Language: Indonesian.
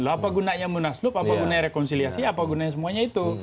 apa gunanya munaslup apa gunanya rekonsiliasi apa gunanya semuanya itu